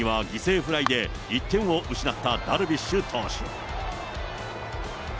５回には犠牲フライで１点を失ったダルビッシュ投手。